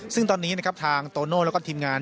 ซึ่งตอนนี้ทางโตโน่และก็ทีมงาน